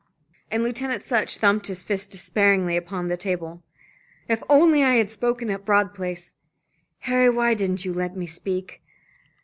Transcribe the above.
And Lieutenant Sutch thumped his fist despairingly upon the table. "If only I had spoken at Broad Place. Harry, why didn't you let me speak?